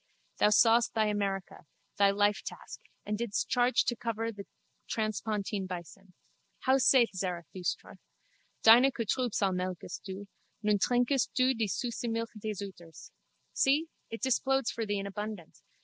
Thou sawest thy America, thy lifetask, and didst charge to cover like the transpontine bison. How saith Zarathustra? Deine Kuh Trübsal melkest Du. Nun Trinkst Du die süsse Milch des Euters. See! it displodes for thee in abundance.